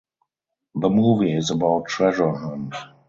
The movie is about treasure hunt.